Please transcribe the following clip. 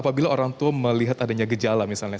apabila orang tua melihat adanya gejala misalnya